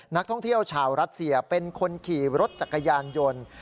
นักท่องเที่ยวชาวรัสเซียเป็นคนขี่รถจักรยานยนต์